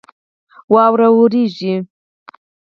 واوره ورېږي